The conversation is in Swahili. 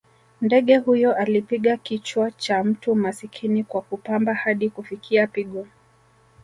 Ndege huyo alipiga kichwa cha mtu masikini kwa kupamba hadi kufikia pigo